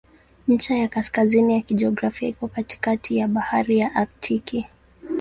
Ncha ya kaskazini ya kijiografia iko katikati ya Bahari ya Aktiki.